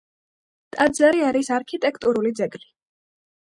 ტაძარი არის არქიტექტურული ძეგლი.